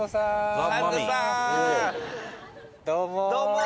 どうも。